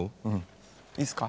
いいっすか？